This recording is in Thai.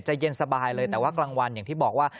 เย็นสบายเลยแต่ว่ากลางวันอย่างที่บอกว่า